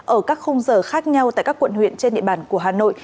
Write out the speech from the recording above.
ở các khung giờ khác nhau tại các quận huyện trên địa bàn của hà nội